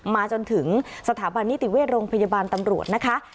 มาจนถึงสถาบันนิติเวชโรงพยาบาลตำรวจนะคะ